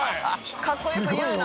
かっこよく言うな！